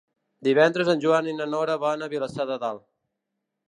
Divendres en Joan i na Nora van a Vilassar de Dalt.